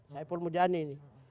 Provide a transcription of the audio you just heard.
saipul munjani ini